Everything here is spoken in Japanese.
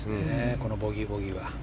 このボギー、ボギーは。